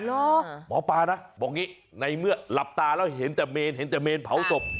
หมอปลานะบอกอย่างนี้ในเมื่อหลับตาแล้วเห็นแต่เมนเห็นแต่เมนเผาศพ